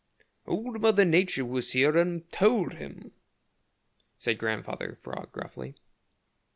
"Old Mother Nature was here and told him," said Grandfather Frog gruffly.